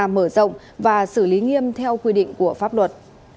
mở rộng và xử lý nghiêm theo quy định của pháp luật